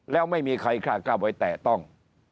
แล้วไม่มีใครคลากร่าวไว้แต่ต้อง